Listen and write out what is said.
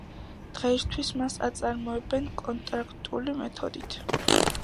დღეისთვის მას აწარმოებენ კონტაქტური მეთოდით.